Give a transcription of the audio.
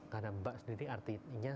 karena bak sendiri artinya